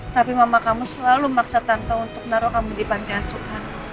tapi mama kamu selalu maksa tante untuk naruh kamu di pantai asukan